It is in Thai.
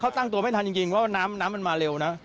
เขาตั้งตัวไม่ทันจริงเพราะว่าน้ำมันมาเร็วนะ